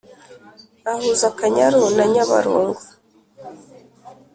Ahuza Akanyaru na Nyabarongo